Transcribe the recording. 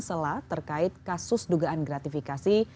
sela terkait kasus dugaan gratifikasi